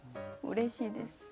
うれしいです。